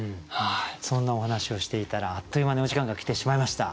そんなお話をしていたらあっという間にお時間が来てしまいました。